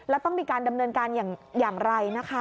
แล้วต้องมีการดำเนินการอย่างไรนะคะ